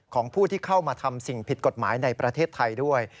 ของผู้ที่เข้ามาทำสิ่งผิดกฎหมายในประเทศไทยด้วย